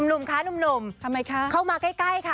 หนุ่มค่ะหนุ่มค่ะเข้ามาใกล้ค่ะ